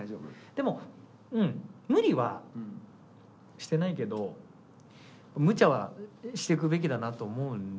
でも無理はしてないけどむちゃはしていくべきだなと思うんですよ。